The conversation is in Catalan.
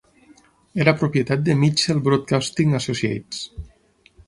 Era propietat de Mitchell Broadcasting Associates.